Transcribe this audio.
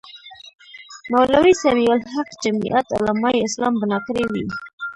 مولوي سمیع الحق جمیعت علمای اسلام بنا کړې وې.